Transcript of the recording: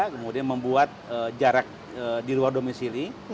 kemudian membuat jarak di luar domisi ini